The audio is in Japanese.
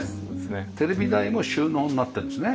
テレビ台も収納になってるんですね。